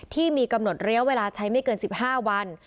ที่มีกำหนดระยะเวลาใช้ไม่เกิน๑๕วัน